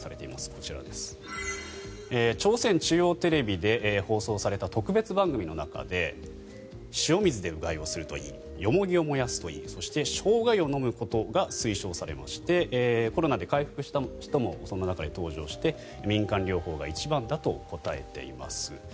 こちら、朝鮮中央テレビで放送された特別番組の中で塩水でうがいをするといいヨモギを燃やすといいそしてショウガ湯を飲むことが推奨されましてコロナで回復した人もその中で登場して民間療法が一番だと答えています。